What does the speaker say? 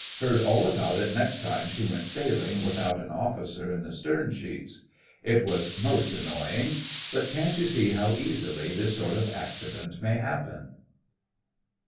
heard all about it next time she went sailing without an officer in the stern sheets. It was most annoying, but can't you see how easily this sort of accident may happen?